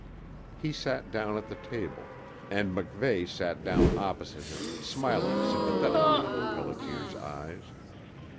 He sat down at the table, and MacVeigh sat down opposite him, smiling sympathetically into Pelliter's eyes.